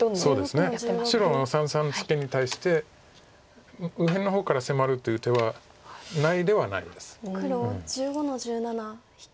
そうですね白の三々ツケに対して右辺の方から迫るという手はないではないです。